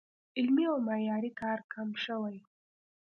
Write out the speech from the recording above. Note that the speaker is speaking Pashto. علمي او معیاري کار کم شوی